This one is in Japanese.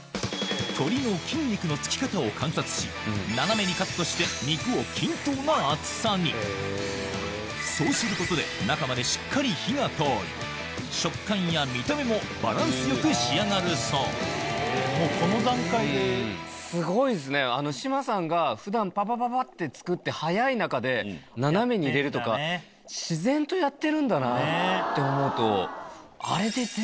鶏の筋肉のつき方を観察しそうすることで中までしっかり火が通り食感や見た目もバランス良く仕上がるそう志麻さんが普段パパパパって作って速い中で斜めに入れるとか自然とやってるんだなって思うと。